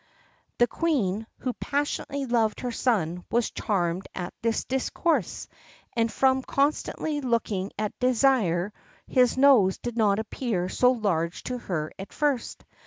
The Queen, who passionately loved her son, was charmed at this discourse, and from constantly looking at Désir his nose did not appear so large to her as at first.